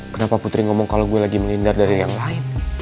kenapa putri ngomong kalau gue lagi menghindar dari yang lain